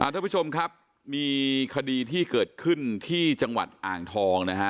ทุกผู้ชมครับมีคดีที่เกิดขึ้นที่จังหวัดอ่างทองนะฮะ